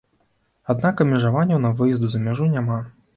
Аднак абмежаванняў на выезд за мяжу няма.